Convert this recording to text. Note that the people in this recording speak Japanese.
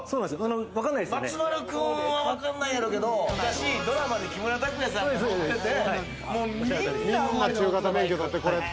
松丸君は分かんないやろけど、昔ドラマで木村拓哉さんが乗ってて、みんな、中型免許取った。